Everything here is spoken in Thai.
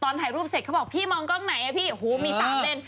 ตอนถ่ายรูปเสร็จเขาบอกพี่มองกลางใงมีสามเลน